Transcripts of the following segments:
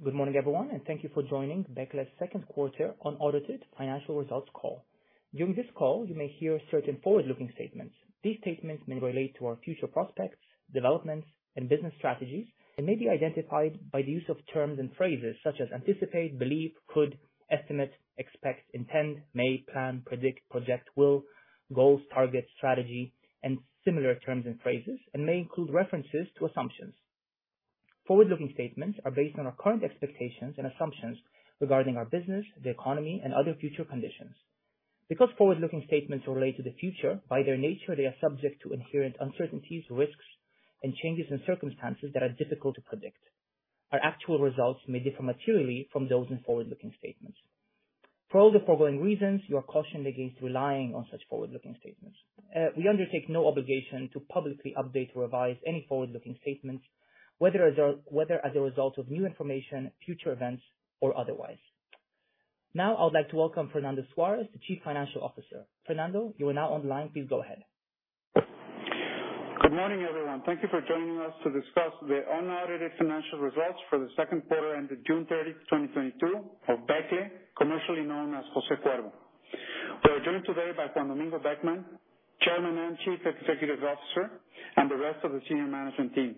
Good morning, everyone, and thank you for joining Becle's second quarter unaudited financial results call. During this call, you may hear certain forward-looking statements. These statements may relate to our future prospects, developments, and business strategies, and may be identified by the use of terms and phrases such as anticipate, believe, could, estimate, expect, intend, may, plan, predict, project, will, goals, target, strategy, and similar terms and phrases, and may include references to assumptions. Forward-looking statements are based on our current expectations and assumptions regarding our business, the economy, and other future conditions. Because forward-looking statements relate to the future, by their nature, they are subject to inherent uncertainties, risks, and changes in circumstances that are difficult to predict. Our actual results may differ materially from those in forward-looking statements. For all the foregoing reasons, you are cautioned against relying on such forward-looking statements. We undertake no obligation to publicly update or revise any forward-looking statements, whether as a result of new information, future events, or otherwise. Now, I would like to welcome Fernando Suárez, the Chief Financial Officer. Fernando, you are now online. Please go ahead. Good morning, everyone. Thank you for joining us to discuss the unaudited financial results for the second quarter ended June 30, 2022 of Becle, commercially known as Jose Cuervo. We are joined today by Juan Domingo Beckmann, Chairman and Chief Executive Officer, and the rest of the senior management team.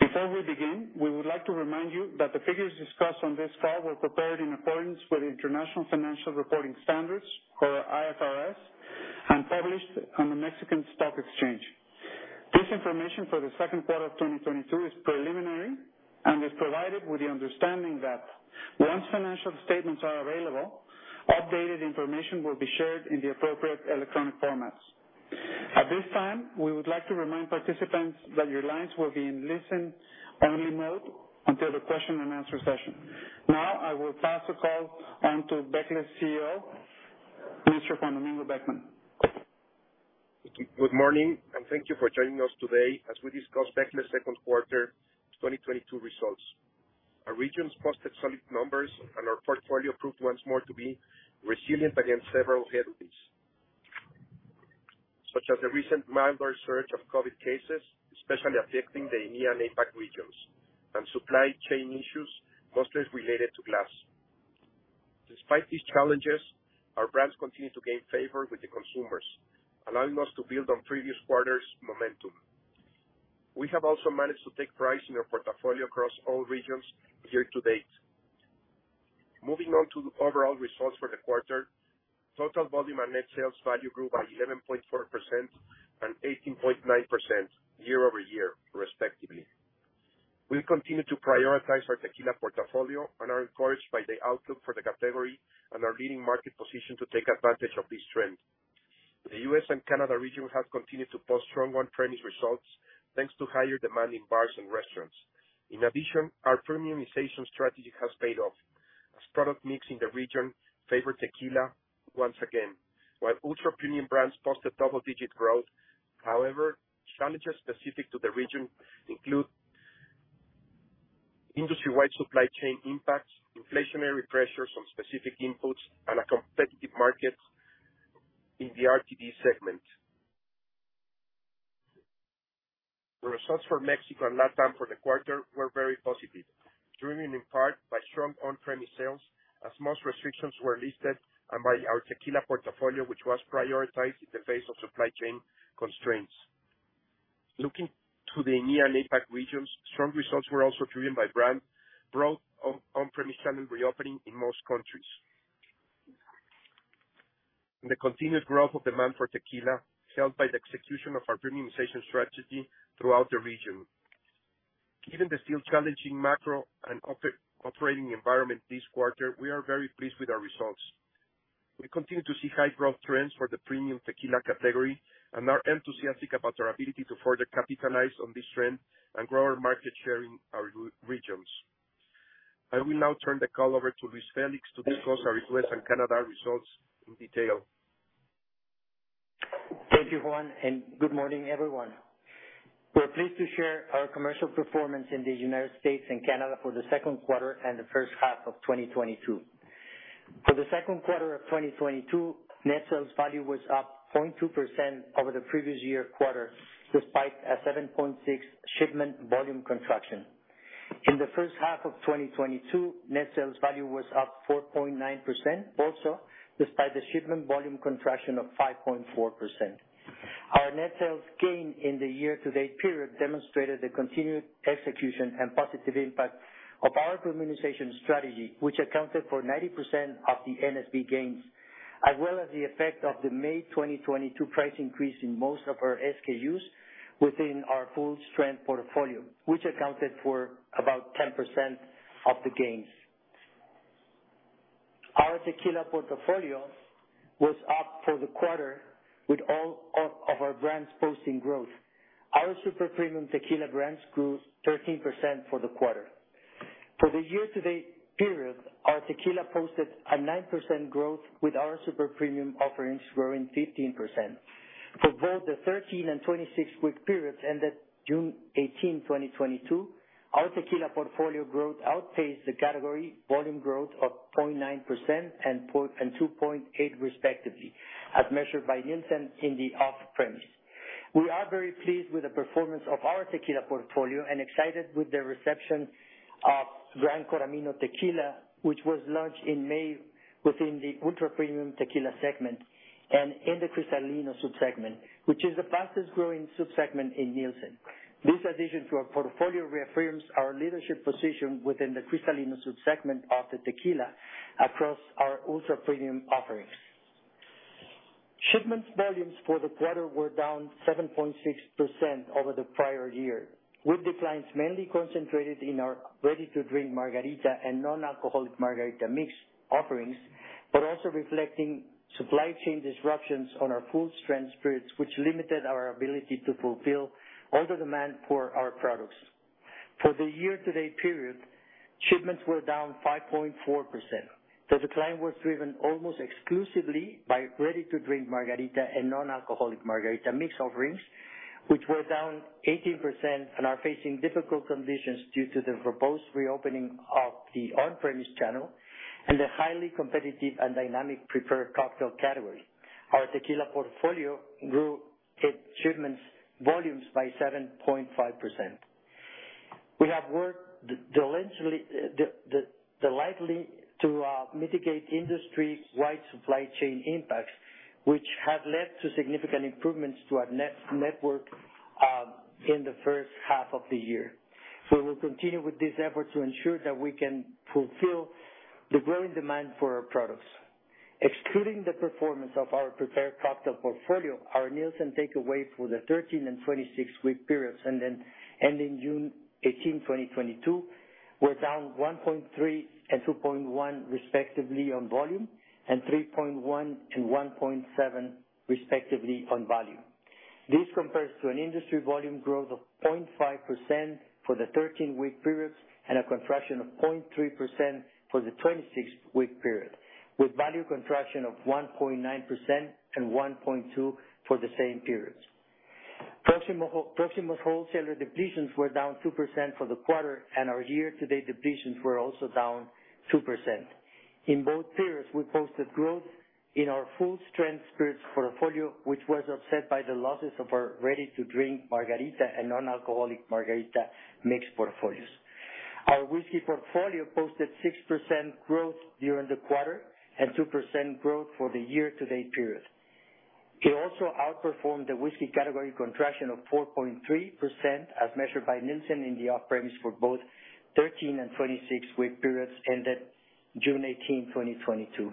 Before we begin, we would like to remind you that the figures discussed on this call were prepared in accordance with International Financial Reporting Standards, or IFRS, and published on the Mexican Stock Exchange. This information for the second quarter of 2022 is preliminary and is provided with the understanding that once financial statements are available, updated information will be shared in the appropriate electronic formats. At this time, we would like to remind participants that your lines will be in listen-only mode until the question and answer session. Now, I will pass the call on to Becle's CEO, Mr. Juan Domingo Beckmann. Good morning, and thank you for joining us today as we discuss Becle's second quarter 2022 results. Our regions posted solid numbers, and our portfolio proved once more to be resilient against several headwinds, such as the recent mild surge of COVID cases, especially affecting the EMEA and APAC regions, and supply chain issues mostly related to glass. Despite these challenges, our brands continue to gain favor with the consumers, allowing us to build on previous quarters' momentum. We have also managed to take price in our portfolio across all regions year to date. Moving on to the overall results for the quarter, total volume and net sales value grew by 11.4% and 18.9% year-over-year, respectively. We continue to prioritize our tequila portfolio and are encouraged by the outlook for the category and our leading market position to take advantage of this trend. The U.S. and Canada region have continued to post strong on-premise results, thanks to higher demand in bars and restaurants. In addition, our premiumization strategy has paid off as product mix in the region favor tequila once again, while ultra-premium brands posted double-digit growth. However, challenges specific to the region include industry-wide supply chain impacts, inflationary pressures on specific inputs, and a competitive market in the RTD segment. The results for Mexico and Latin America for the quarter were very positive, driven in part by strong on-premise sales as most restrictions were lifted, and by our tequila portfolio, which was prioritized in the face of supply chain constraints. Looking to the EMEA and APAC regions, strong results were also driven by brand growth on-premise channel reopening in most countries. The continued growth of demand for tequila, helped by the execution of our premiumization strategy throughout the region. Given the still challenging macro and operating environment this quarter, we are very pleased with our results. We continue to see high growth trends for the premium tequila category and are enthusiastic about our ability to further capitalize on this trend and grow our market share in our regions. I will now turn the call over to Luis Félix to discuss our U.S. and Canada results in detail. Thank you, Juan, and good morning, everyone. We're pleased to share our commercial performance in the United States and Canada for the second quarter and the first half of 2022. For the second quarter of 2022, net sales value was up 0.2% over the previous year quarter, despite a 7.6% shipment volume contraction. In the first half of 2022, net sales value was up 4.9%, also despite the shipment volume contraction of 5.4%. Our net sales gain in the year-to-date period demonstrated the continued execution and positive impact of our premiumization strategy, which accounted for 90% of the NSV gains, as well as the effect of the May 2022 price increase in most of our SKUs within our full-strength portfolio, which accounted for about 10% of the gains. Our tequila portfolio was up for the quarter with all of our brands posting growth. Our super premium tequila brands grew 13% for the quarter. For the year-to-date period, our tequila posted a 9% growth, with our super premium offerings growing 15%. For both the 13 and 26-week periods ended June 18, 2022, our tequila portfolio growth outpaced the category volume growth of 0.9% and 2.8% respectively, as measured by Nielsen in the off-premise. We are very pleased with the performance of our tequila portfolio and excited with the reception of Gran Coramino Tequila, which was launched in May within the ultra-premium tequila segment and in the cristalino subsegment, which is the fastest growing subsegment in Nielsen. This addition to our portfolio reaffirms our leadership position within the cristalino subsegment of the tequila across our ultra-premium offerings. Shipments volumes for the quarter were down 7.6% over the prior year, with declines mainly concentrated in our ready-to-drink margarita and non-alcoholic margarita mix offerings, but also reflecting supply chain disruptions on our full-strength spirits, which limited our ability to fulfill all the demand for our products. For the year-to-date period, shipments were down 5.4%. The decline was driven almost exclusively by ready-to-drink margarita and non-alcoholic margarita mix offerings, which were down 18% and are facing difficult conditions due to the proposed reopening of the on-premise channel and the highly competitive and dynamic prepared cocktail category. Our tequila portfolio grew its shipments volumes by 7.5%. We have worked diligently to mitigate industry-wide supply chain impacts, which have led to significant improvements to our network in the first half of the year. We'll continue with this effort to ensure that we can fulfill the growing demand for our products. Excluding the performance of our prepared cocktail portfolio, our Nielsen takeaway for the 13 and 26-week periods ending June 18, 2022 were down 1.3 and 2.1 respectively on volume, and 3.1 to 1.7 respectively on value. This compares to an industry volume growth of 0.5% for the 13-week periods and a contraction of 0.3% for the 26-week period, with value contraction of 1.9% and 1.2% for the same periods. Proximo Wholesaler depletions were down 2% for the quarter, and our year-to-date depletions were also down 2%. In both periods, we posted growth in our full strength spirits portfolio, which was offset by the losses of our ready-to-drink margarita and non-alcoholic margarita mix portfolios. Our whiskey portfolio posted 6% growth during the quarter and 2% growth for the year-to-date period. It also outperformed the whiskey category contraction of 4.3%, as measured by Nielsen in the off-premise for both 13 and 26-week periods ended June 18, 2022.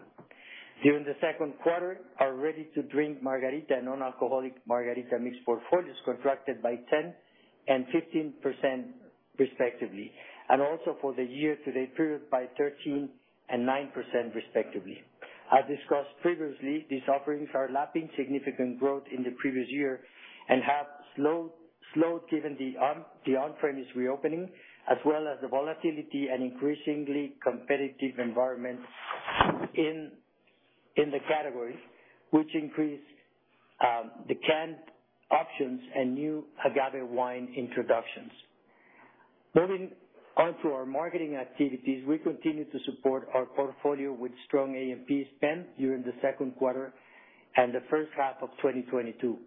During the second quarter, our ready-to-drink margarita and non-alcoholic margarita mix portfolios contracted by 10% and 15% respectively, and also for the year-to-date period by 13% and 9% respectively. As discussed previously, these offerings are lapping significant growth in the previous year and have slowed given the on-premise reopening, as well as the volatility and increasingly competitive environment in the category, which increased the canned options and new agave wine introductions. Moving on to our marketing activities, we continue to support our portfolio with strong AMP spend during the second quarter and the first half of 2022.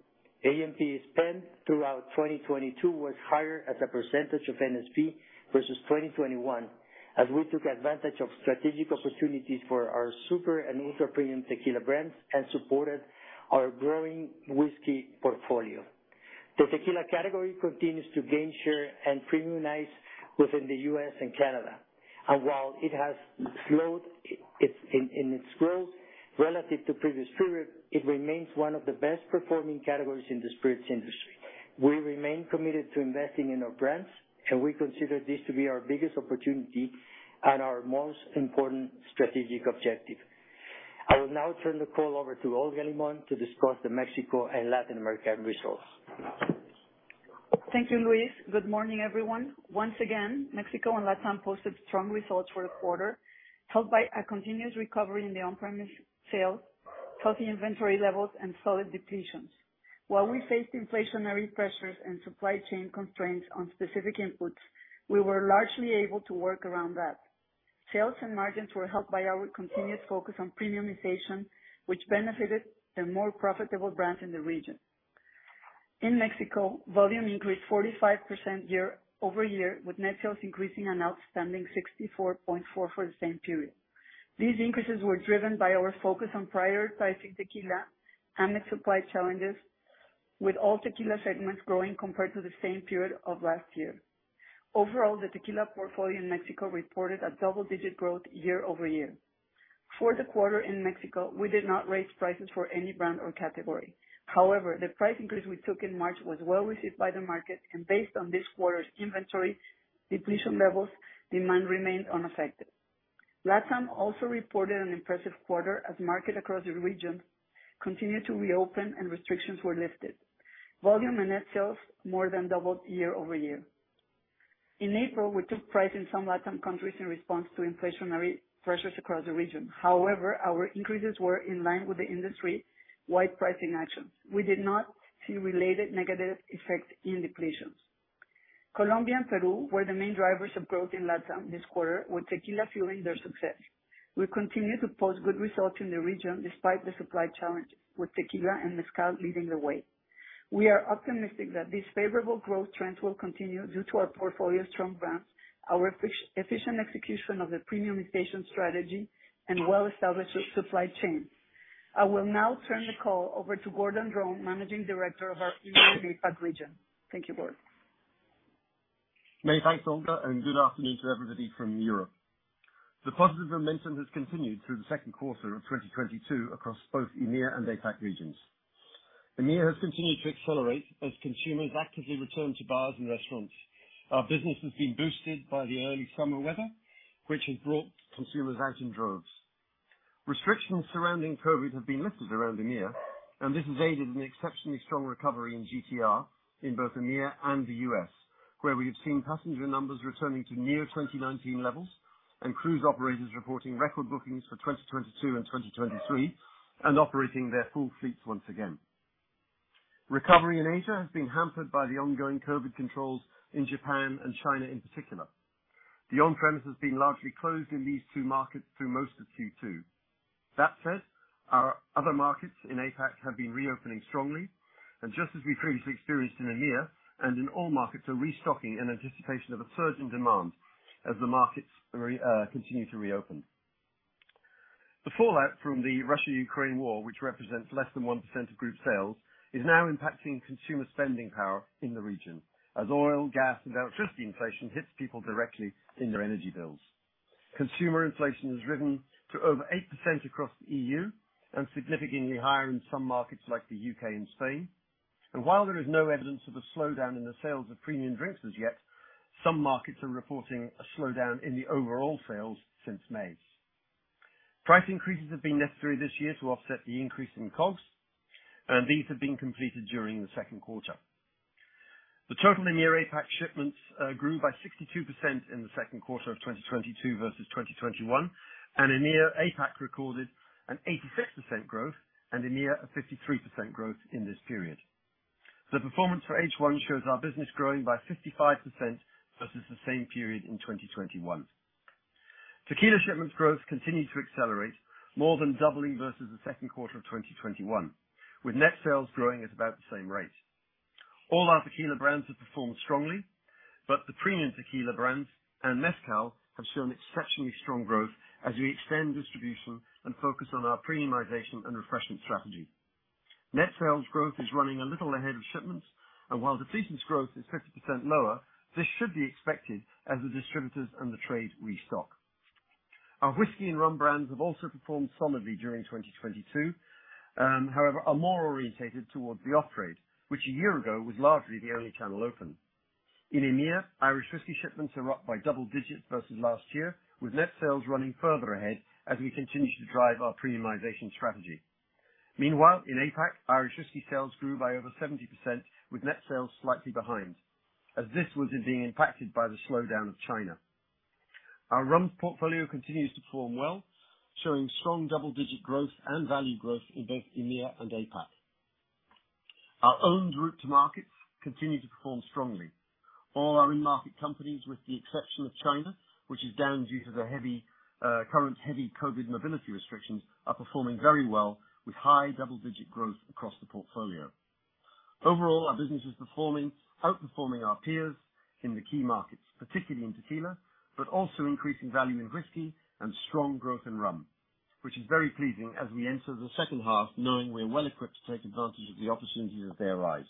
AMP spend throughout 2022 was higher as a percentage of NSP versus 2021, as we took advantage of strategic opportunities for our super and ultra-premium tequila brands and supported our growing whiskey portfolio. The tequila category continues to gain share and premiumize within the U.S. and Canada. While it has slowed its growth relative to previous period, it remains one of the best performing categories in the spirits industry. We remain committed to investing in our brands, and we consider this to be our biggest opportunity and our most important strategic objective. I will now turn the call over to Olga Limón to discuss the Mexico and Latin American results. Thank you, Luis. Good morning, everyone. Once again, Mexico and LatAm posted strong results for the quarter, helped by a continuous recovery in the on-premise sales, healthy inventory levels and solid depletions. While we faced inflationary pressures and supply chain constraints on specific inputs, we were largely able to work around that. Sales and margins were helped by our continued focus on premiumization, which benefited the more profitable brands in the region. In Mexico, volume increased 45% year-over-year, with net sales increasing an outstanding 64.4% for the same period. These increases were driven by our focus on prioritizing tequila and the supply challenges, with all tequila segments growing compared to the same period of last year. Overall, the tequila portfolio in Mexico reported a double-digit growth year-over-year. For the quarter in Mexico, we did not raise prices for any brand or category. However, the price increase we took in March was well received by the market, and based on this quarter's inventory depletion levels, demand remained unaffected. LatAm also reported an impressive quarter as markets across the region continued to reopen and restrictions were lifted. Volume and net sales more than doubled year over year. In April, we took price in some LatAm countries in response to inflationary pressures across the region. However, our increases were in line with the industry-wide pricing actions. We did not see related negative effects in depletions. Colombia and Peru were the main drivers of growth in LatAm this quarter, with tequila fueling their success. We continue to post good results in the region despite the supply challenge with tequila and mezcal leading the way. We are optimistic that this favorable growth trends will continue due to our portfolio strong brands, our efficient execution of the premiumization strategy, and well-established supply chain. I will now turn the call over to Gordon Dron, Managing Director of our EMEA-APAC region. Thank you, Gordon. Many thanks, Olga, and good afternoon to everybody from Europe. The positive momentum has continued through the second quarter of 2022 across both EMEA and APAC regions. EMEA has continued to accelerate as consumers actively return to bars and restaurants. Our business has been boosted by the early summer weather, which has brought consumers out in droves. Restrictions surrounding COVID have been lifted around EMEA, and this has aided an exceptionally strong recovery in GTR in both EMEA and the U.S., where we have seen passenger numbers returning to near 2019 levels and cruise operators reporting record bookings for 2022 and 2023, and operating their full fleets once again. Recovery in Asia has been hampered by the ongoing COVID controls in Japan and China in particular. The on-premise has been largely closed in these two markets through most of Q2. That said, our other markets in APAC have been reopening strongly and just as we previously experienced in EMEA and in all markets, are restocking in anticipation of a surge in demand as the markets continue to reopen. The fallout from the Russia-Ukraine war, which represents less than 1% of group sales, is now impacting consumer spending power in the region as oil, gas, and electricity inflation hits people directly in their energy bills. Consumer inflation has risen to over 8% across the EU and significantly higher in some markets like the U.K. and Spain. While there is no evidence of a slowdown in the sales of premium drinks as yet, some markets are reporting a slowdown in the overall sales since May. Price increases have been necessary this year to offset the increase in COGS, and these have been completed during the second quarter. The total EMEA-APAC shipments grew by 62% in the second quarter of 2022 versus 2021, and EMEA-APAC recorded an 86% growth and EMEA a 53% growth in this period. The performance for H1 shows our business growing by 55% versus the same period in 2021. Tequila shipments growth continued to accelerate, more than doubling versus the second quarter of 2021, with net sales growing at about the same rate. All our tequila brands have performed strongly, but the premium tequila brands and mezcal have shown exceptionally strong growth as we extend distribution and focus on our premiumization and refreshment strategy. Net sales growth is running a little ahead of shipments, and while the depletions' growth is 50% lower, this should be expected as the distributors and the trade restock. Our whiskey and rum brands have also performed solidly during 2022, however are more oriented towards the off-trade, which a year ago was largely the only channel open. In EMEA, Irish whiskey shipments are up by double digits versus last year, with net sales running further ahead as we continue to drive our premiumization strategy. Meanwhile, in APAC, Irish whiskey sales grew by over 70%, with net sales slightly behind as this wasn't being impacted by the slowdown of China. Our rum portfolio continues to perform well, showing strong double-digit growth and value growth in both EMEA and APAC. Our owned route to markets continue to perform strongly. All our in-market companies, with the exception of China, which is down due to the heavy, current heavy COVID mobility restrictions, are performing very well with high double-digit growth across the portfolio. Overall, our business is performing, outperforming our peers in the key markets, particularly in tequila, but also increasing value in whiskey and strong growth in rum, which is very pleasing as we enter the second half knowing we're well equipped to take advantage of the opportunities as they arise.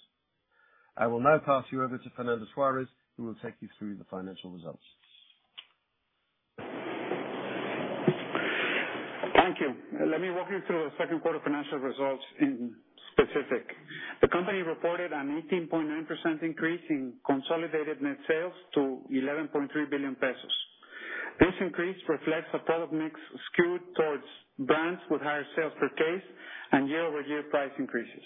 I will now pass you over to Fernando Suárez, who will take you through the financial results. Thank you. Let me walk you through the second quarter financial results in specific. The company reported an 18.9% increase in consolidated net sales to 11.3 billion pesos. This increase reflects a product mix skewed towards brands with higher sales per case and year-over-year price increases.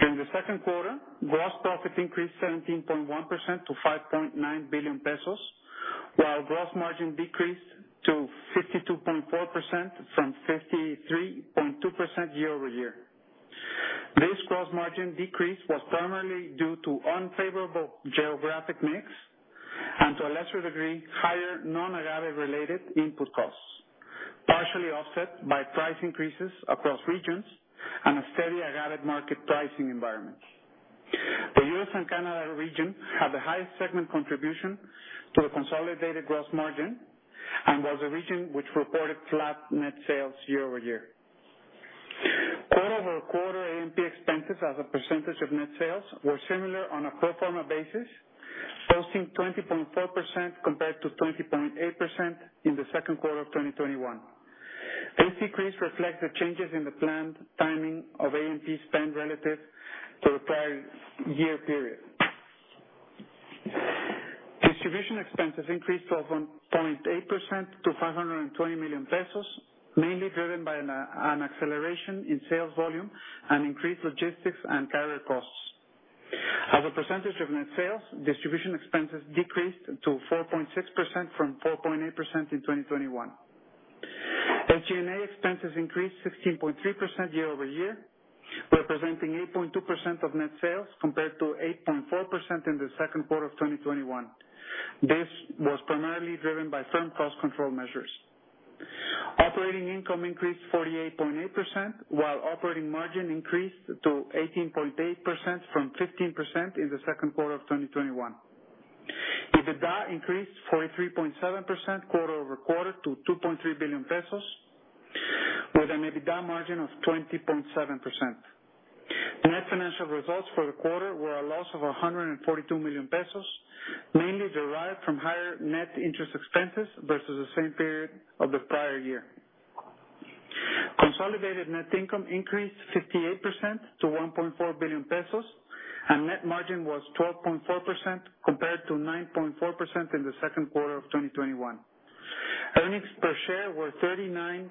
During the second quarter, gross profit increased 17.1% to 5.9 billion pesos, while gross margin decreased to 52.4% from 53.2% year over year. This gross margin decrease was primarily due to unfavorable geographic mix and to a lesser degree, higher non-agave related input costs, partially offset by price increases across regions and a steady agave market pricing environment. The U.S. and Canada region had the highest segment contribution to the consolidated gross margin and was a region which reported flat net sales year over year. Quarter-over-quarter A&P expenses as a percentage of net sales were similar on a pro forma basis, posting 20.4% compared to 20.8% in the second quarter of 2021. This decrease reflects the changes in the planned timing of A&P spend relative to the prior year period. Distribution expenses increased 12.8% to 520 million pesos, mainly driven by an acceleration in sales volume and increased logistics and carrier costs. As a percentage of net sales, distribution expenses decreased to 4.6% from 4.8% in 2021. SG&A expenses increased 16.3% year-over-year, representing 8.2% of net sales compared to 8.4% in the second quarter of 2021. This was primarily driven by firm cost control measures. Operating income increased 48.8%, while operating margin increased to 18.8% from 15% in the second quarter of 2021. EBITDA increased 43.7% quarter-over-quarter to 2.3 billion pesos, with an EBITDA margin of 20.7%. Net financial results for the quarter were a loss of 142 million pesos, mainly derived from higher net interest expenses versus the same period of the prior year. Consolidated net income increased 58% to 1.4 billion pesos, and net margin was 12.4% compared to 9.4% in the second quarter of 2021. Earnings per share were 0.39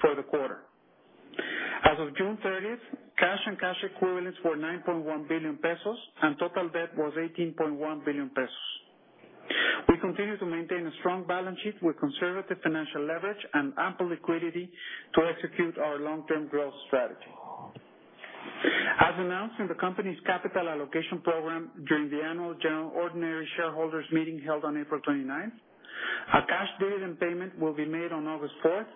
for the quarter. As of June 30, cash and cash equivalents were 9.1 billion pesos, and total debt was 18.1 billion pesos. We continue to maintain a strong balance sheet with conservative financial leverage and ample liquidity to execute our long-term growth strategy. As announced in the company's capital allocation program during the annual general ordinary shareholders meeting held on April 29th, our cash dividend payment will be made on August 4th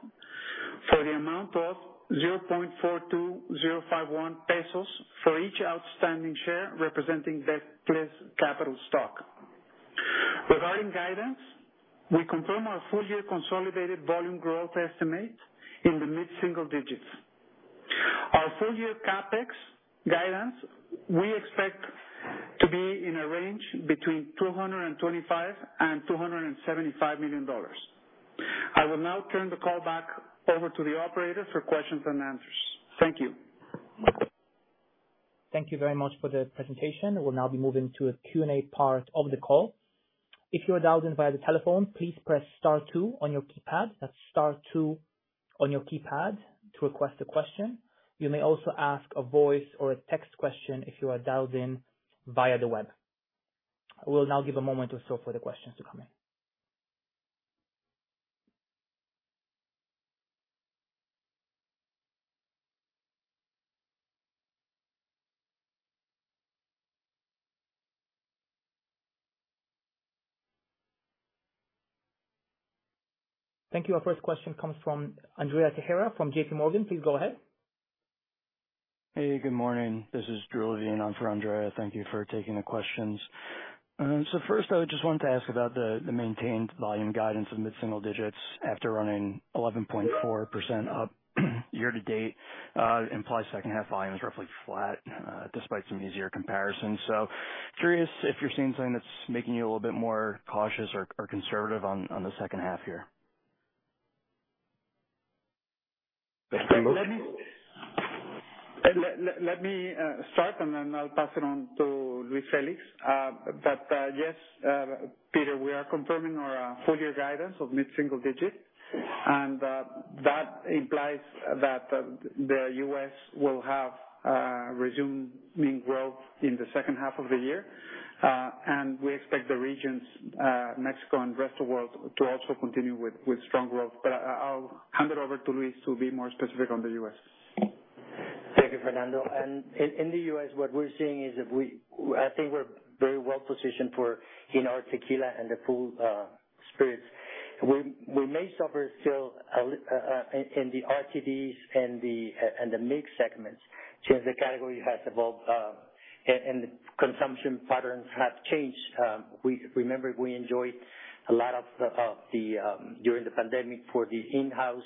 for the amount of 0.42051 pesos for each outstanding share representing debt plus capital stock. Regarding guidance, we confirm our full-year consolidated volume growth estimate in the mid-single digits. Our full-year CapEx guidance, we expect to be in a range between $225 million and $275 million. I will now turn the call back over to the operator for questions and answers. Thank you. Thank you very much for the presentation. We'll now be moving to the Q&A part of the call. If you are dialed in via the telephone, please press star two on your keypad. That's star two on your keypad to request a question. You may also ask a voice or a text question if you are dialed in via the web. I will now give a moment or so for the questions to come in. Thank you. Our first question comes from Andrea Teixeira from JPMorgan. Please go ahead. Hey, good morning. This is Drew Levine on for Andrea. Thank you for taking the questions. First, I just wanted to ask about the maintained volume guidance of mid-single digits after running 11.4% up year-to-date. This implies second half volume is roughly flat despite some easier comparisons. Curious if you're seeing something that's making you a little bit more cautious or conservative on the second half here. Let me start, and then I'll pass it on to Luis Félix. Yes, Peter, we are confirming our full year guidance of mid-single digits. That implies that the U.S. will have resuming growth in the second half of the year. We expect the regions, Mexico and rest of world to also continue with strong growth. I'll hand it over to Luis to be more specific on the U.S. Thank you, Fernando. In the U.S., what we're seeing is that I think we're very well-positioned for in our tequila and the full spirits. We may suffer still in the RTDs and the mixed segments since the category has evolved, and the consumption patterns have changed. We remember we enjoyed a lot during the pandemic for the in-house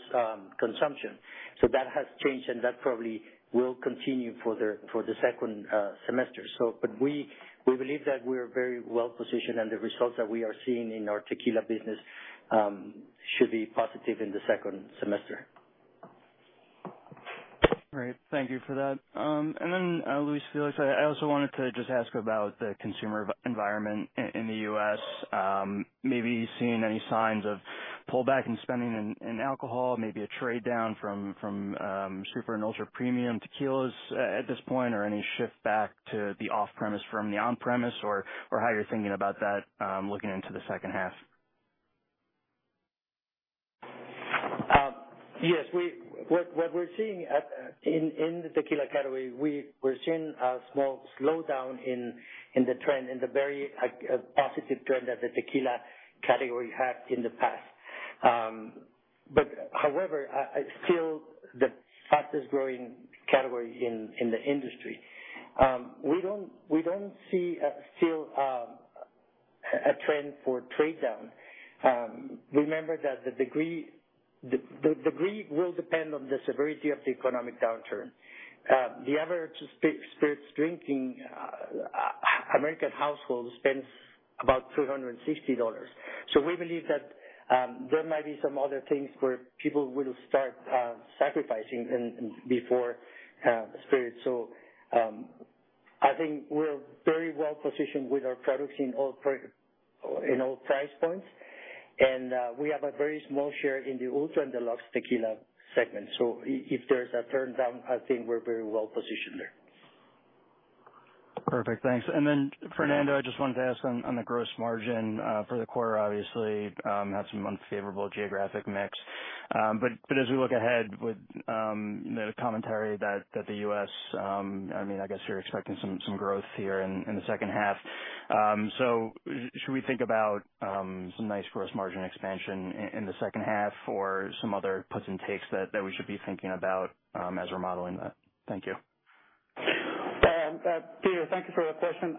consumption. That has changed, and that probably will continue for the second semester. But we believe that we are very well-positioned, and the results that we are seeing in our tequila business should be positive in the second semester. Great. Thank you for that. Then, Luis Félix, I also wanted to just ask about the consumer environment in the U.S. Maybe seeing any signs of pullback in spending in alcohol, maybe a trade down from super and ultra premium tequilas at this point, or any shift back to the off-premise from the on-premise or how you're thinking about that, looking into the second half. Yes. What we're seeing in the tequila category, we're seeing a small slowdown in the trend, in the very positive trend that the tequila category had in the past. However, it's still the fastest growing category in the industry. We don't see, still, a trend for trade down. Remember that the degree will depend on the severity of the economic downturn. The average spirits drinking American household spends about $260. We believe that there might be some other things where people will start sacrificing before spirits. I think we're very well-positioned with our products in all price points. We have a very small share in the ultra and deluxe tequila segment. If there's a downturn, I think we're very well-positioned there. Perfect, thanks. Fernando, I just wanted to ask on the gross margin for the quarter, obviously had some unfavorable geographic mix. As we look ahead with the commentary that the U.S., I mean, I guess you're expecting some growth here in the second half, should we think about some nice gross margin expansion in the second half or some other puts and takes that we should be thinking about as we're modeling that? Thank you. Drew Levine, thank you for that question.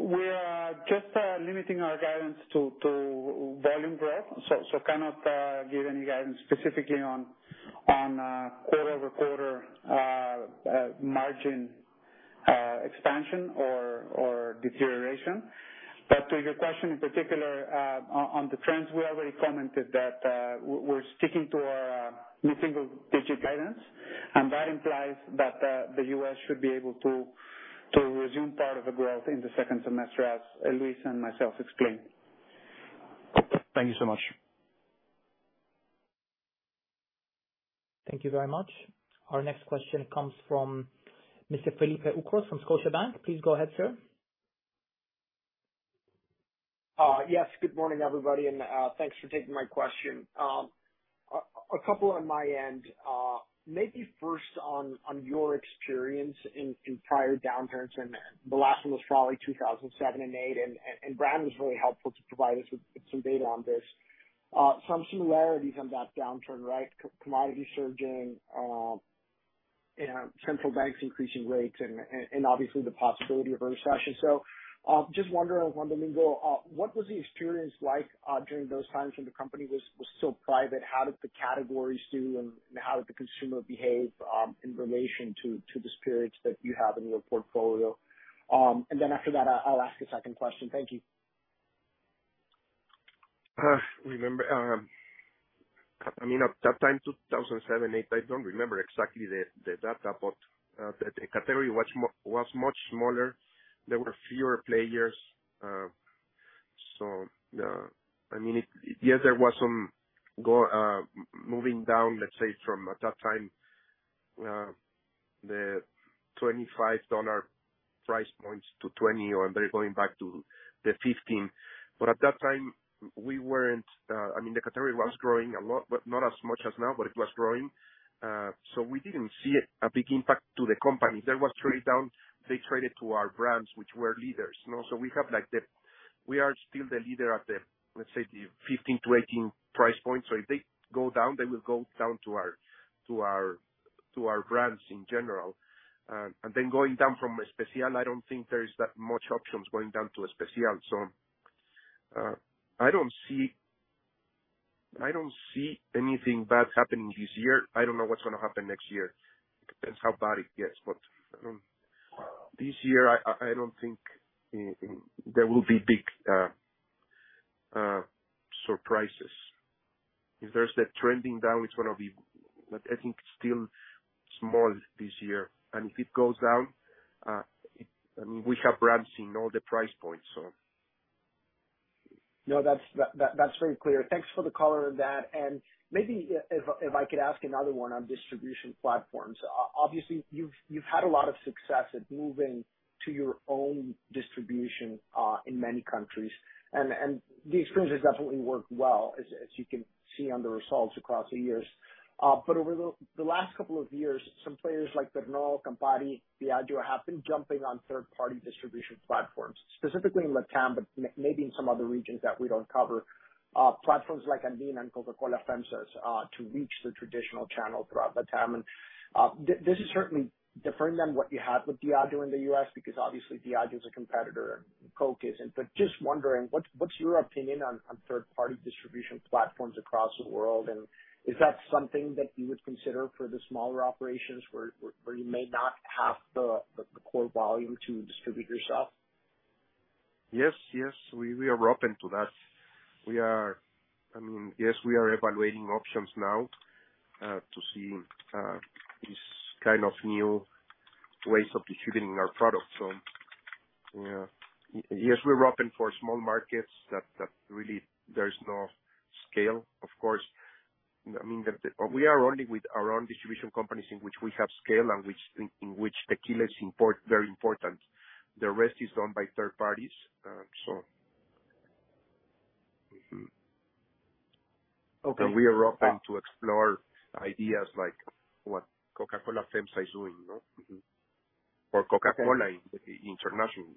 We are just limiting our guidance to volume growth. We cannot give any guidance specifically on quarter-over-quarter margin expansion or deterioration. To your question in particular, on the trends, we already commented that we're sticking to our mid-single-digit guidance, and that implies that the U.S. should be able to resume part of the growth in the second semester, as Luis and myself explained. Thank you so much. Thank you very much. Our next question comes from Mr. Felipe Ucros from Scotiabank. Please go ahead, sir. Yes, good morning, everybody, and thanks for taking my question. A couple on my end. Maybe first on your experience in prior downturns, and the last one was probably 2007 and 2008, and Brandon was really helpful to provide us with some data on this. Some similarities on that downturn, right? Commodity surging, and central banks increasing rates and obviously the possibility of a recession. Just wondering, Juan Domingo, what was the experience like during those times when the company was still private? How did the categories do and how did the consumer behave in relation to the spirits that you have in your portfolio? Then after that, I'll ask a second question. Thank you. I mean, at that time, 2007-2008, I don't remember exactly the data, but the category was much smaller. There were fewer players. So, I mean, it. Yes, there was some moving down, let's say, from at that time the $25 price points to $20 or they're going back to the $15. But at that time we weren't. I mean, the category was growing a lot, but not as much as now, but it was growing. So we didn't see a big impact to the company. There was trade down. They traded to our brands which were leaders, you know. We are still the leader at the, let's say, the 15-18 price point. If they go down, they will go down to our brands in general. Then going down from Especial, I don't think there is that much options going down to Especial. I don't see anything bad happening this year. I don't know what's gonna happen next year. Depends how bad it gets. This year I don't think there will be big surprises. If there's the trending down, it's gonna be, but I think still small this year. If it goes down, I mean, we have brands in all the price points, so. No, that's very clear. Thanks for the color on that. Maybe if I could ask another one on distribution platforms. Obviously, you've had a lot of success at moving to your own distribution in many countries. The experience has definitely worked well, as you can see on the results across the years. But over the last couple of years, some players like Pernod, Campari, Diageo have been jumping on third-party distribution platforms, specifically in LatAm, but maybe in some other regions that we don't cover. Platforms like Andina and Coca-Cola FEMSA's to reach the traditional channel throughout LatAm. This is certainly different than what you have with Diageo in the U.S. because obviously Diageo is a competitor, Coke isn't. Just wondering, what's your opinion on third-party distribution platforms across the world, and is that something that you would consider for the smaller operations where you may not have the core volume to distribute yourself? Yes. We are open to that. We are evaluating options now to see these kind of new ways of distributing our products. Yeah. Yes, we're open for small markets that really there's no scale. Of course, I mean, we are only with our own distribution companies in which we have scale and in which the key is very important. The rest is done by third parties. So. Okay. We are open to explore ideas like what Coca-Cola FEMSA is doing, you know? Or Coca-Cola International.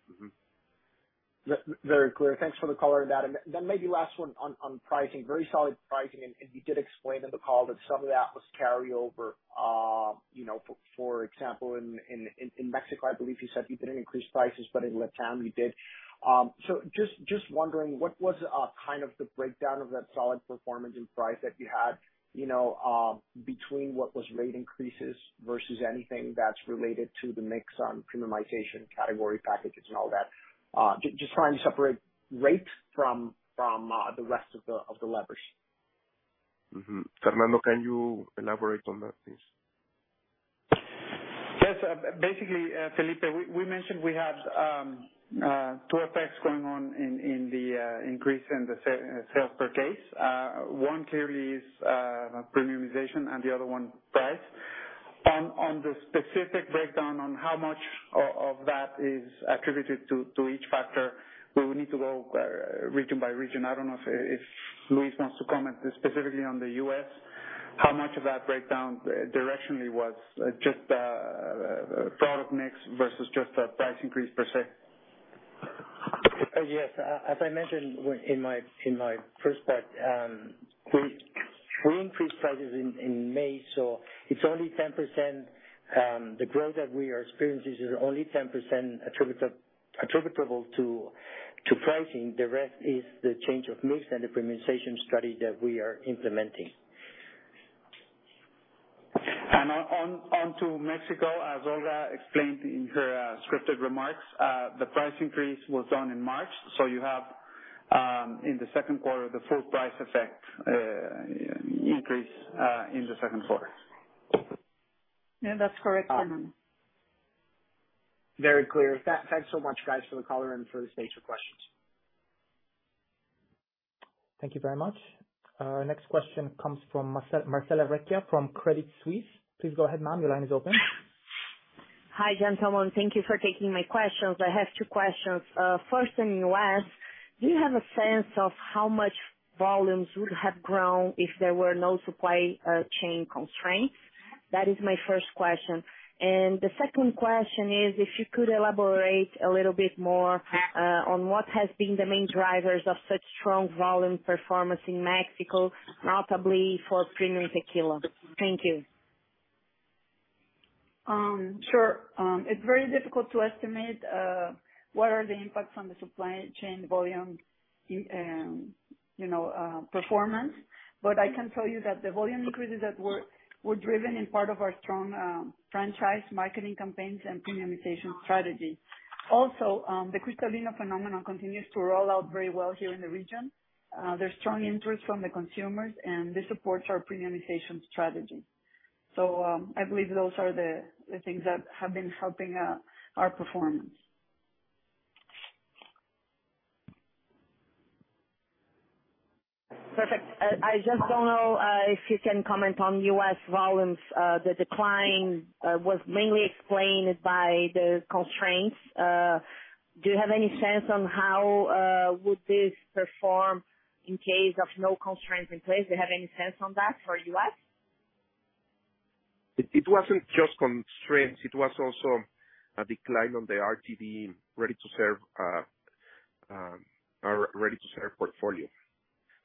Very clear. Thanks for the color on that. Then maybe last one on pricing, very solid pricing. You did explain in the call that some of that was carryover. You know, for example, in Mexico, I believe you said you didn't increase prices, but in LatAm, you did. So just wondering, what was kind of the breakdown of that solid performance in price that you had, you know, between what was rate increases versus anything that's related to the mix on premiumization category packages and all that? Just trying to separate rates from the rest of the levers. Mm-hmm. Fernando, can you elaborate on that, please? Yes. Basically, Felipe, we mentioned we had two effects going on in the increase in the sales per case. One clearly is premiumization and the other one price. On the specific breakdown on how much of that is attributed to each factor, we would need to go region by region. I don't know if Luis wants to comment specifically on the U.S., how much of that breakdown directionally was just product mix versus just a price increase per se. Yes. As I mentioned in my first part, we increased prices in May, so it's only 10%. The growth that we are experiencing is only 10% attributable to pricing. The rest is the change of mix and the premiumization strategy that we are implementing. On to Mexico, as Olga Limón explained in her scripted remarks, the price increase was done in March, so you have in the second quarter the full price effect increase in the second quarter. Yeah, that's correct, Fernando. Very clear. Thanks so much, guys, for the color and for the space for questions. Thank you very much. Next question comes from Marcella Recchia from Credit Suisse. Please go ahead, ma'am, your line is open. Hi, gentlemen. Thank you for taking my questions. I have two questions. First, on U.S., do you have a sense of how much volumes would have grown if there were no supply chain constraints? That is my first question. The second question is if you could elaborate a little bit more on what has been the main drivers of such strong volume performance in Mexico, notably for premium tequila. Thank you. Sure. It's very difficult to estimate what are the impacts on the supply chain volume, you know, performance, but I can tell you that the volume increases that were driven in part by our strong franchise marketing campaigns and premiumization strategy. Also, the Cristalino phenomenon continues to roll out very well here in the region. There's strong interest from the consumers, and this supports our premiumization strategy. I believe those are the things that have been helping our performance. Perfect. I just don't know if you can comment on U.S. volumes. The decline was mainly explained by the constraints. Do you have any sense on how this would perform in case of no constraints in place? Do you have any sense on that for U.S.? It wasn't just constraints, it was also a decline on the RTD ready-to-serve, or ready-to-serve portfolio.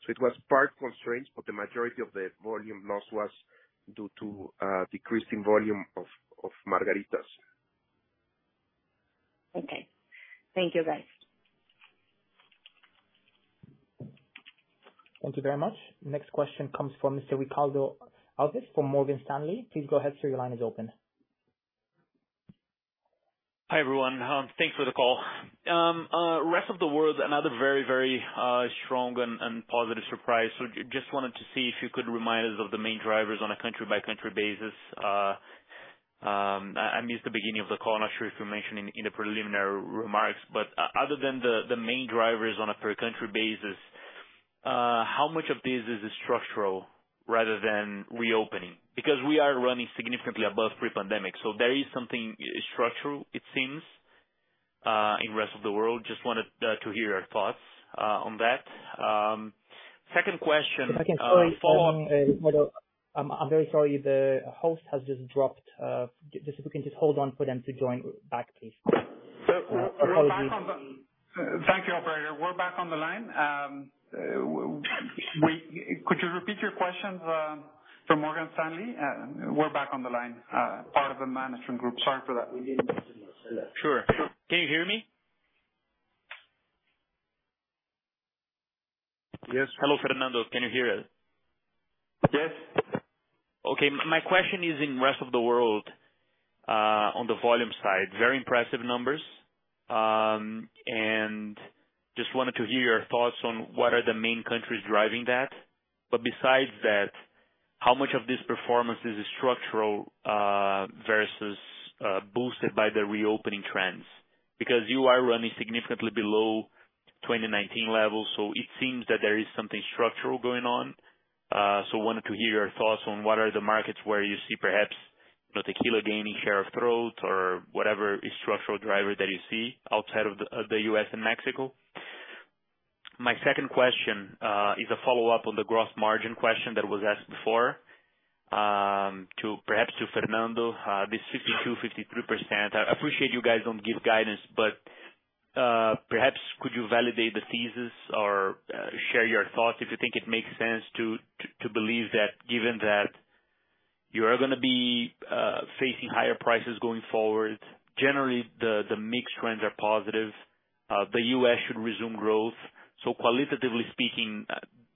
It was part constraints, but the majority of the volume loss was due to decreasing volume of margaritas. Okay. Thank you, guys. Thank you very much. Next question comes from Mr. Ricardo Alves from Morgan Stanley. Please go ahead, sir, your line is open. Hi, everyone. Thanks for the call. Rest of the world, another very strong and positive surprise. Just wanted to see if you could remind us of the main drivers on a country by country basis. I missed the beginning of the call. Not sure if you mentioned in the preliminary remarks, but other than the main drivers on a per country basis, how much of this is structural rather than reopening? Because we are running significantly above pre-pandemic, so there is something structural, it seems, in rest of the world. Just wanted to hear your thoughts on that. Second question, If I can, sorry, on Ricardo. I'm very sorry, the host has just dropped. Just if we can just hold on for them to join back, please. We're back on the Apologies. Thank you, operator. We're back on the line. Could you repeat your questions for Morgan Stanley? We're back on the line, part of the management group. Sorry for that. Sure. Can you hear me? Yes. Hello, Fernando, can you hear us? Yes. Okay. My question is in rest of the world, on the volume side, very impressive numbers. Just wanted to hear your thoughts on what are the main countries driving that. Besides that, how much of this performance is structural, versus, boosted by the reopening trends? Because you are running significantly below 2019 levels, it seems that there is something structural going on. Wanted to hear your thoughts on what are the markets where you see perhaps, you know, tequila gaining share of throat or whatever structural driver that you see outside of the U.S. and Mexico. My second question is a follow-up on the gross margin question that was asked before, to, perhaps to Fernando. This 52%-53%. I appreciate you guys don't give guidance, but perhaps could you validate the thesis or share your thoughts if you think it makes sense to believe that given that you are gonna be facing higher prices going forward, generally the mix trends are positive. The U.S. should resume growth. Qualitatively speaking,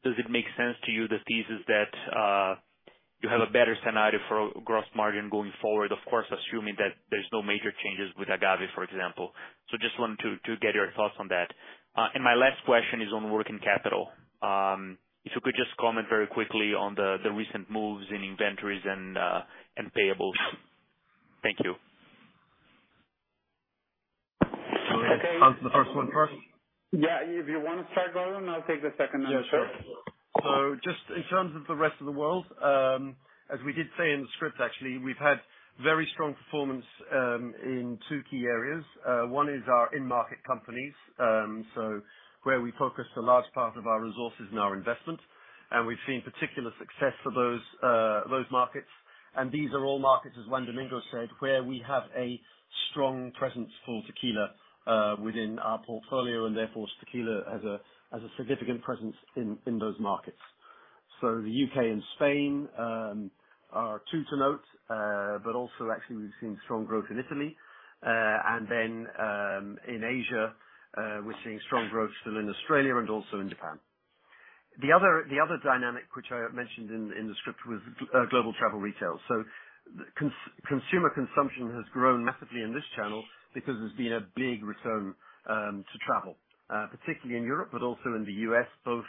does it make sense to you, the thesis that you have a better scenario for gross margin going forward? Of course, assuming that there's no major changes with agave, for example. Just wanted to get your thoughts on that. And my last question is on working capital. If you could just comment very quickly on the recent moves in inventories and payables. Thank you. Answer the first one first? Yeah, if you want to start, Gordon, I'll take the second then. Yeah, sure. Just in terms of the rest of the world, as we did say in the script, actually, we've had very strong performance in two key areas. One is our in-market companies, so where we focus a large part of our resources and our investment, and we've seen particular success for those markets. These are all markets, as Juan Domingo said, where we have a strong presence for tequila within our portfolio, and therefore, tequila has a significant presence in those markets. The U.K. and Spain are two to note, but also actually we've seen strong growth in Italy. In Asia, we're seeing strong growth still in Australia and also in Japan. The other dynamic which I mentioned in the script was global travel retail. Consumer consumption has grown massively in this channel because there's been a big return to travel, particularly in Europe, but also in the U.S., both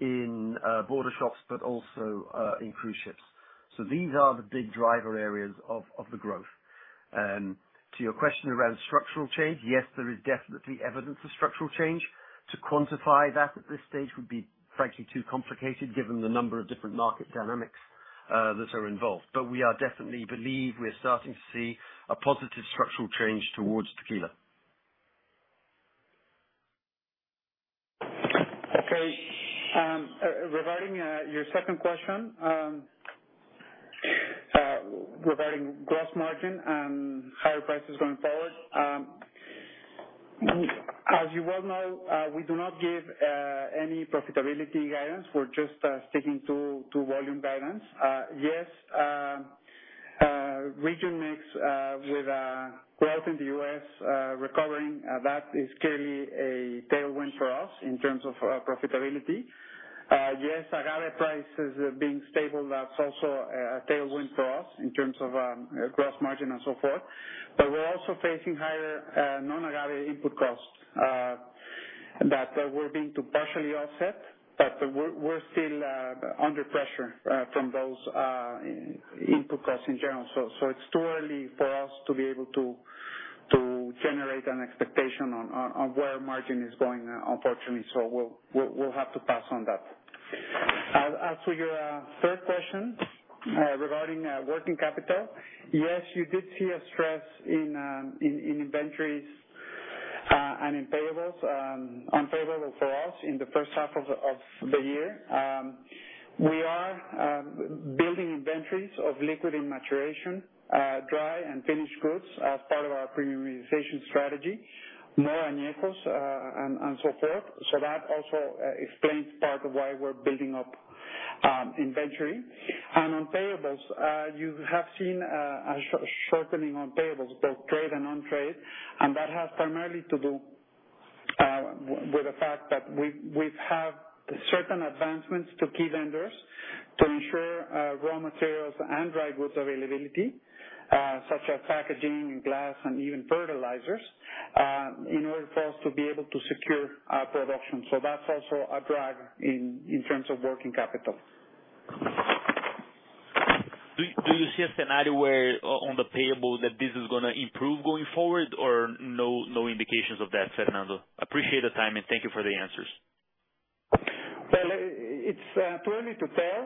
in border shops but also in cruise ships. These are the big driver areas of the growth. To your question around structural change, yes, there is definitely evidence of structural change. To quantify that at this stage would be frankly too complicated given the number of different market dynamics that are involved. We definitely believe we're starting to see a positive structural change towards tequila. Okay. Regarding your second question regarding gross margin and higher prices going forward, as you well know, we do not give any profitability guidance. We're just sticking to volume guidance. Yes, regional mix with growth in the U.S. recovering, that is clearly a tailwind for us in terms of profitability. Yes, agave prices being stable, that's also a tailwind for us in terms of gross margin and so forth. We're also facing higher non-agave input costs that we're beginning to partially offset, but we're still under pressure from those input costs in general. It's too early for us to be able to generate an expectation on where margin is going, unfortunately. We'll have to pass on that. As for your third question, regarding working capital, yes, you did see a stress in inventories and in payables, unfavorable for us in the first half of the year. We are building inventories of liquid and maturation, dry and finished goods as part of our premiumization strategy, more añejos, and so forth. That also explains part of why we're building up inventory. On payables, you have seen a shortening on payables, both trade and non-trade, and that has primarily to do with the fact that we've had certain advancements to key vendors to ensure raw materials and dry goods availability, such as packaging and glass and even fertilizers, in order for us to be able to secure our production. That's also a drag in terms of working capital. Do you see a scenario where on the payable that this is gonna improve going forward or no indications of that, Fernando? Appreciate the time and thank you for the answers. Well, it's too early to tell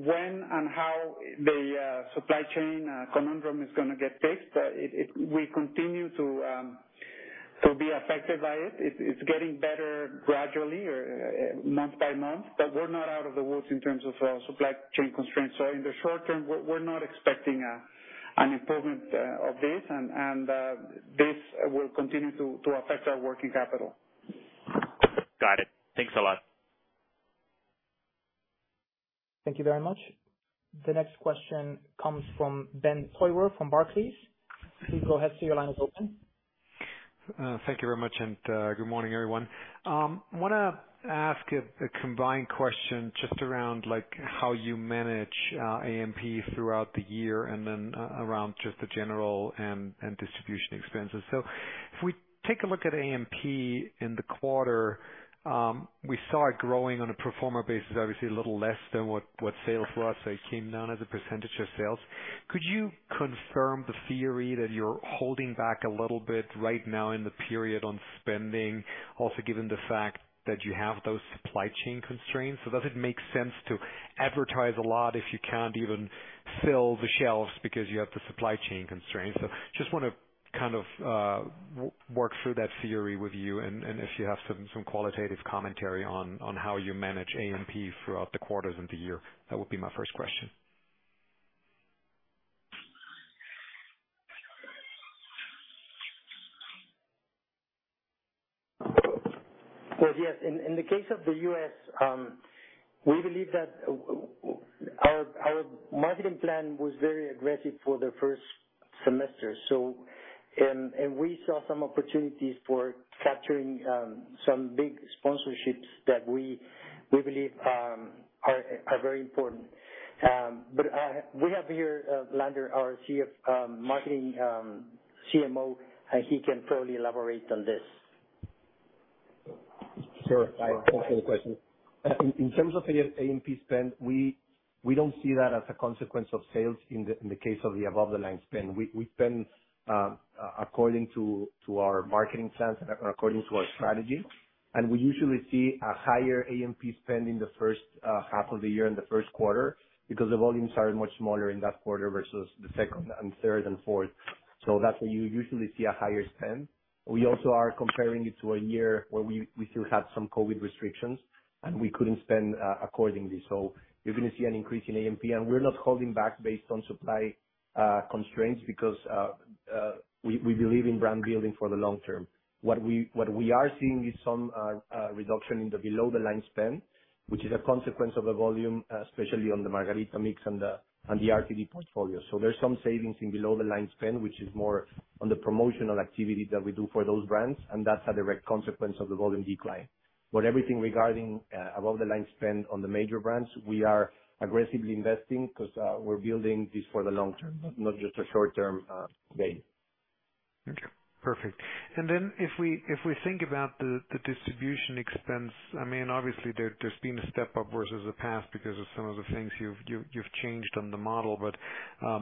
when and how the supply chain conundrum is gonna get fixed. We continue to be affected by it. It's getting better gradually or month by month, but we're not out of the woods in terms of supply chain constraints. In the short term, we're not expecting an improvement of this and this will continue to affect our working capital. Got it. Thanks a lot. Thank you very much. The next question comes from Ben Theurer from Barclays. Please go ahead. Sir, your line is open. Thank you very much, and good morning, everyone. Wanna ask a combined question just around like how you manage AMP throughout the year and then around just the general and distribution expenses. If we take a look at AMP in the quarter, we saw it growing on a pro forma basis, obviously a little less than what sales were. It came down as a percentage of sales. Could you confirm the theory that you're holding back a little bit right now in the period on spending, also given the fact that you have those supply chain constraints? Does it make sense to advertise a lot if you can't even fill the shelves because you have the supply chain constraints? Just wanna kind of work through that theory with you and if you have some qualitative commentary on how you manage AMP throughout the quarters of the year. That would be my first question. Yes, in the case of the U.S., we believe that our marketing plan was very aggressive for the first semester. We saw some opportunities for capturing some big sponsorships that we believe are very important. We have here Lander our CMO, and he can probably elaborate on this. Sure. Thanks for the question. In terms of A&P spend, we don't see that as a consequence of sales in the case of the above-the-line spend. We spend according to our marketing plans and according to our strategy. We usually see a higher A&P spend in the first half of the year and the first quarter because the volumes are much smaller in that quarter versus the second and third and fourth. That's when you usually see a higher spend. We also are comparing it to a year where we still had some COVID restrictions, and we couldn't spend accordingly. You're gonna see an increase in A&P, and we're not holding back based on supply constraints because we believe in brand building for the long term. What we are seeing is some reduction in the below-the-line spend, which is a consequence of the volume, especially on the margarita mix and the RTD portfolio. There's some savings in below-the-line spend, which is more on the promotional activity that we do for those brands, and that's a direct consequence of the volume decline. Everything regarding above-the-line spend on the major brands, we are aggressively investing 'cause we're building this for the long term, not just a short-term gain. Okay, perfect. If we think about the distribution expense, I mean, obviously there's been a step up versus the past because of some of the things you've changed on the model, but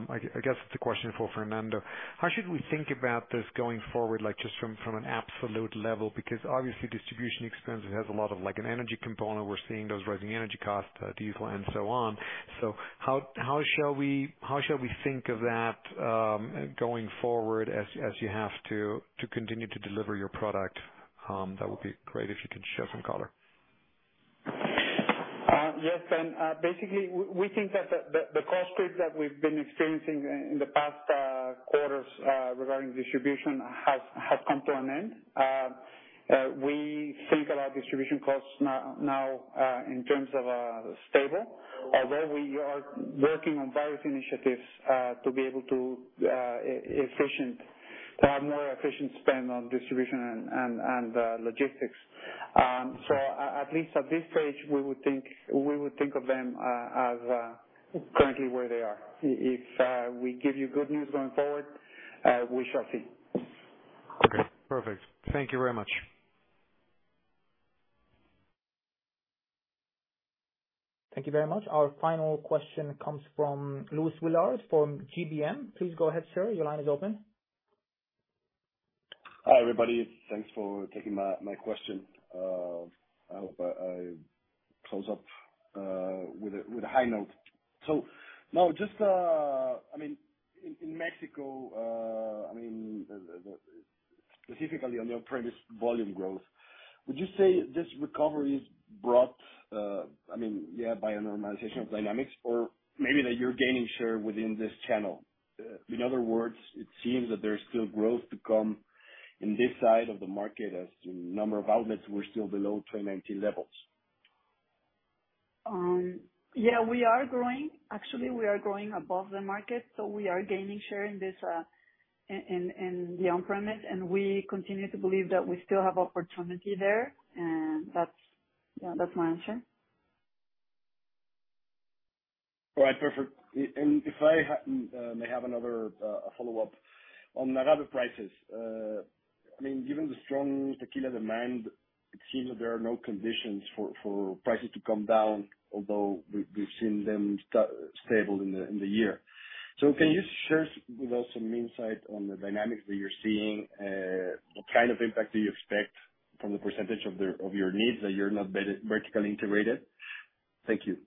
I guess it's a question for Fernando. How should we think about this going forward, like just from an absolute level? Because obviously distribution expense has a lot of like an energy component. We're seeing those rising energy costs, diesel and so on. How shall we think of that going forward as you have to continue to deliver your product? That would be great if you can shed some color. Yes. Basically we think that the cost creep that we've been experiencing in the past quarters regarding distribution has come to an end. We think about distribution costs now in terms of stable, although we are working on various initiatives to be able to efficient, to have more efficient spend on distribution and logistics. At least at this stage, we would think of them as currently where they are. If we give you good news going forward, we shall see. Okay, perfect. Thank you very much. Thank you very much. Our final question comes from Luis Willard from GBM. Please go ahead, sir. Your line is open. Hi, everybody. Thanks for taking my question. I hope I close up with a high note. Now just, I mean in Mexico, I mean, specifically on the on-premise volume growth, would you say this recovery is brought by a normalization of dynamics or maybe that you're gaining share within this channel? In other words, it seems that there's still growth to come in this side of the market as the number of outlets were still below 2019 levels. Yeah, we are growing. Actually, we are growing above the market, so we are gaining share in this, in the on-premise, and we continue to believe that we still have opportunity there and that's, yeah, that's my answer. All right. Perfect. If I may have another follow-up on agave prices. I mean, given the strong tequila demand, it seems that there are no conditions for prices to come down, although we've seen them stable in the year. Can you share with us some insight on the dynamics that you're seeing? What kind of impact do you expect from the percentage of your needs that you're not vertically integrated? Thank you.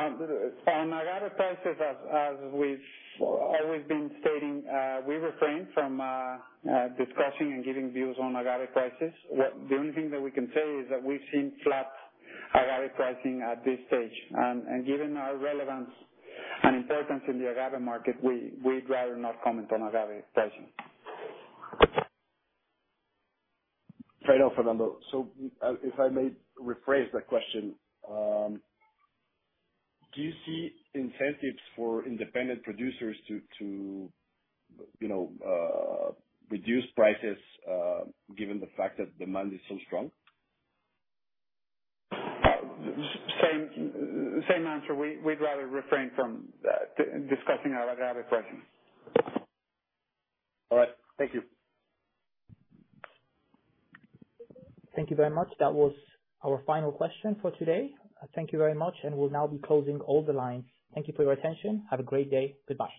On agave prices, as we've always been stating, we refrain from discussing and giving views on agave prices. The only thing that we can say is that we've seen flat agave pricing at this stage. Given our relevance and importance in the agave market, we'd rather not comment on agave pricing. Fair enough, Fernando. If I may rephrase that question, do you see incentives for independent producers to you know reduce prices, given the fact that demand is so strong? Same answer. We'd rather refrain from discussing our agave pricing. All right. Thank you. Thank you very much. That was our final question for today. Thank you very much, and we'll now be closing all the lines. Thank you for your attention. Have a great day. Goodbye.